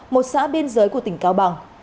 một xã biên giới của tỉnh cao bằng